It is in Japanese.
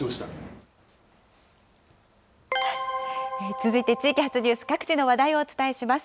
続いて地域発ニュース、各地の話題をお伝えします。